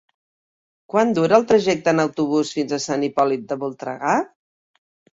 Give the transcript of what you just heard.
Quant dura el trajecte en autobús fins a Sant Hipòlit de Voltregà?